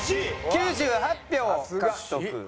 ９８票獲得。